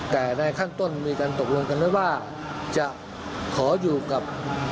แต่ในขั้นต้นมีการตกลงกันไว้ว่าจะขออยู่กับ